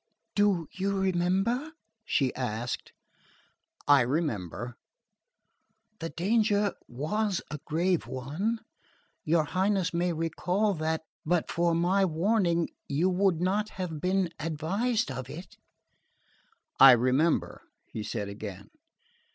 "Do you remember?" she asked. "I remember." "The danger was a grave one. Your Highness may recall that but for my warning you would not have been advised of it." "I remember," he said again.